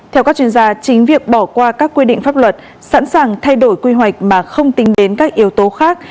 theo các chuyên gia chính việc bỏ qua các quy định pháp luật sẵn sàng thay đổi quy hoạch mà không tính đến các yếu tố khác